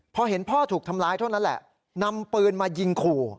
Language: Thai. พอเห็นพ่อถูกทำร้ายเท่านั้นแหละนำปืนมายิงขู่